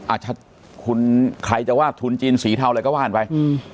อาจจะคุณใครจะว่าทุนจีนสีเทาอะไรก็ว่ากันไป